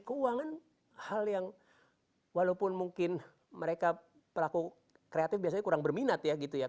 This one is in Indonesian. keuangan hal yang walaupun mungkin mereka pelaku kreatif biasanya kurang berminat ya gitu ya